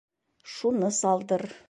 Шуны салдыр.